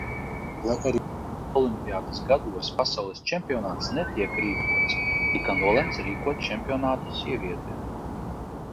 Lai arī tradicionāli olimpiādes gados pasaules čempionāts netiek rīkots, tika nolemts rīkot čempionātu sievietēm.